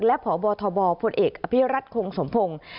และพบธบพเอกอคงสมพงศ์